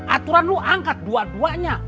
aturan lo angkat dua duanya